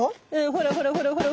ほらほらほらほら。